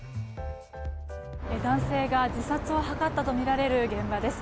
男性が自殺を図ったとみられる現場です。